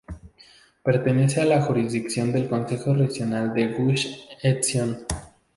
Pertenece a la jurisdicción del Concejo Regional Gush Etzion.